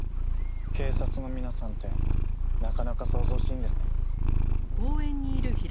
警察の皆さんってなかなか騒々しいんですね。